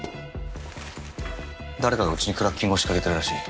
誰かがうちにクラッキングを仕掛けてるらしい。